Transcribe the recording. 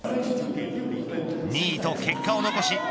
２位と結果を残し